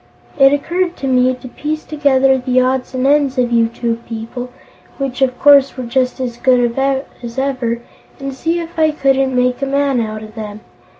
It occurred to me to piece together the odds and ends of you two people, which of course were just as good as ever, and see if I couldn't make a man out of them.